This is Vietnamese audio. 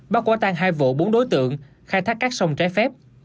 bắt quả tan hai vụ bốn đối tượng khai thác các sông trái phép